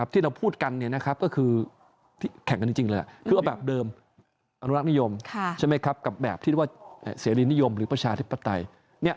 ที่เราพูดกันก็คือแข่งกันจริงเลยคือแบบเดิมอนุรักษ์นิยมกับแบบเสรีนิยมประชาธิปไตย